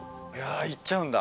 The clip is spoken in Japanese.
行っちゃうんだ。